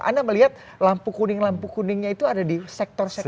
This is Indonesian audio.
anda melihat lampu kuning lampu kuningnya itu ada di sektor sektor